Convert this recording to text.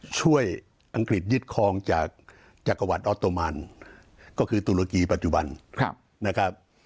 อังกฤษยึดคลองจากจักรวรรดออโตมานก็คือตุรกีปัจจุบันนะครับ